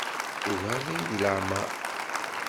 Tugareḍ-iyi deg leɛmeṛ.